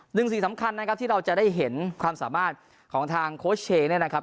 สิ่งสำคัญนะครับที่เราจะได้เห็นความสามารถของทางโค้ชเชย์เนี่ยนะครับ